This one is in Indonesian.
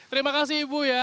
terima kasih ibu ya